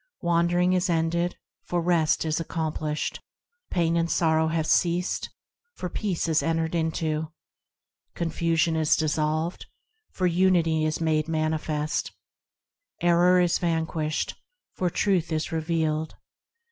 Wandering is ended, for Rest is accomplished ; Pain and sorrow have ceased, for Peace is entered into; Confusion is dissolved, for Unity is made manifest; Error is vanquished, for Truth is revealed.